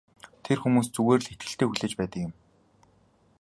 Тэр хүмүүс зүгээр л итгэлтэй хүлээж байдаг юм.